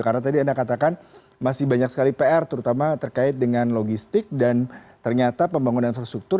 karena tadi anda katakan masih banyak sekali pr terutama terkait dengan logistik dan ternyata pembangunan infrastruktur